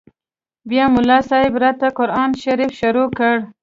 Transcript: بيا ملا صاحب راته قران شريف شروع کړ.